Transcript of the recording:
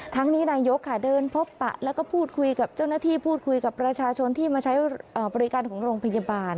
นี้นายกค่ะเดินพบปะแล้วก็พูดคุยกับเจ้าหน้าที่พูดคุยกับประชาชนที่มาใช้บริการของโรงพยาบาล